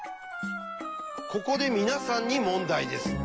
ここで皆さんに問題です。